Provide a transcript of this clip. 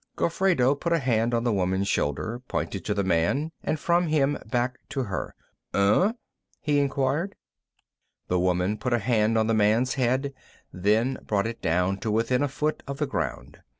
Gofredo put a hand on the woman's shoulder, pointed to the man and from him back to her. "Unh?" he inquired. The woman put a hand on the man's head, then brought it down to within a foot of the ground.